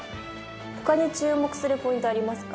他に注目するポイントありますか？